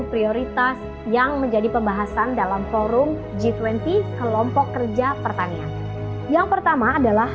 prioritas yang menjadi pembahasan dalam forum g dua puluh kelompok kerja pertanian yang pertama adalah